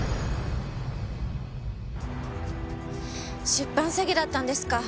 出版詐欺だったんですか。